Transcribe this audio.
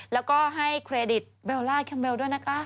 แล้วก็ให้เครดิตเบลล่าแคมเบลด้วยนะคะ